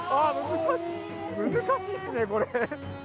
難しいですね、これ。